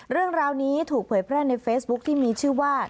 เรื่องราวนี้ถูกเผยแพร่ในเฟซบุ๊คที่มีชื่อว่า